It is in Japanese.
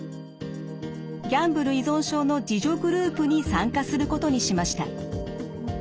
ギャンブル依存症の自助グループに参加することにしました。